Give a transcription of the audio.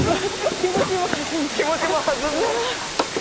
気持ちもはずんで。